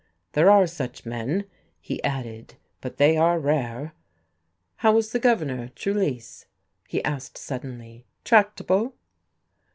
There are such men," he added, "but they are rare. How was the Governor, Trulease?" he asked suddenly. "Tractable?"